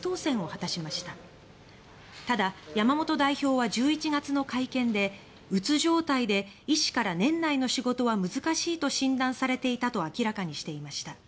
ただ、山本代表は１１月の会見でうつ状態で医師から「年内の仕事は難しい」と診断されていたと明らかにしていました。